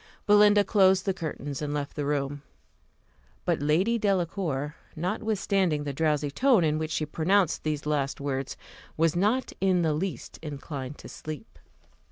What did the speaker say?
Belinda closed the curtains and left the room. But Lady Delacour, notwithstanding the drowsy tone in which she pronounced these last words, was not in the least inclined to sleep.